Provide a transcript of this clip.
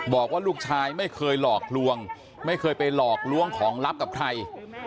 บอกว่าลูกชายไม่เคยหลอกลวงไม่เคยไปหลอกลวงของลับกับใคร